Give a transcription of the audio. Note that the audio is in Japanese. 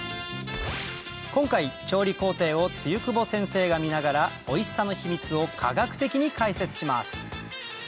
今回調理工程を露久保先生が見ながらおいしさの秘密を科学的に解説します